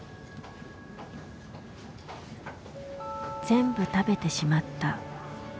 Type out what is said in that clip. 「全部食べてしまった。